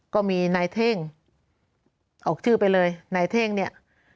ก็มีนายเท่งออกชื่อไปเลยนายเท่งเนี่ย